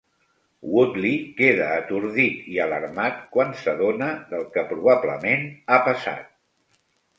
Woodley queda atordit i alarmat quan s'adona del que probablement ha passat.